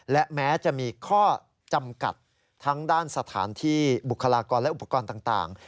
และแม้จะมีข้อจำกัดทั้งด้านสถานที่บุคลากรและอุปกรณ์ต่าง